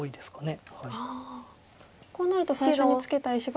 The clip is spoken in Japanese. こうなると最初にツケた石が。